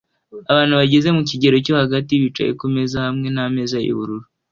Abantu bageze mu kigero cyo hagati bicaye kumeza hamwe nameza yubururu